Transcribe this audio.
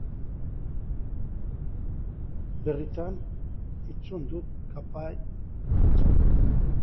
Birritan entzun dut kanpai hotsa.